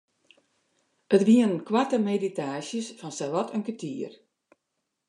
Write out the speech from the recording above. It wiene koarte meditaasjes fan sawat in kertier.